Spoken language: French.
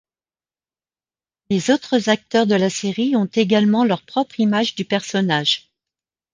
Les autres acteurs de la série ont également leur propre image du personnage.